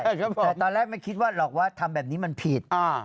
แต่ตอนแรกไม่คิดว่าหรอกว่าทำแบบนี้มันผิด